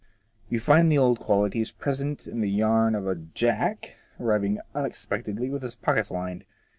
You find the old qualities present in the yarn of a Jack arriving unexpectedly with his pockets lined.